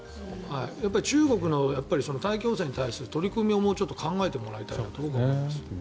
やっぱり中国の大気汚染に対する取り組みをもうちょっと考えてもらいたいなと思います。